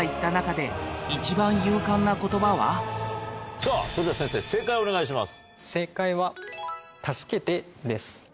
さぁそれでは先生正解をお願いします。